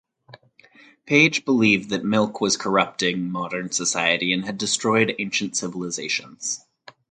Page believed that milk was corrupting modern society and had destroyed ancient civilizations.